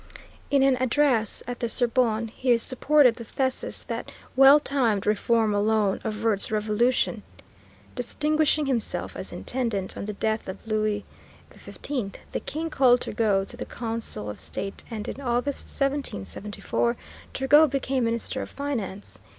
In an address at the Sorbonne he supported the thesis that "well timed reform alone averts revolution." Distinguishing himself as Intendant, on the death of Louis XV the King called Turgot to the Council of State, and in August, 1774, Turgot became Minister of Finance.